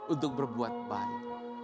untuk berbuat baik